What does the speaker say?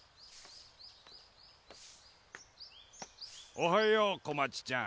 おはようこまちちゃん。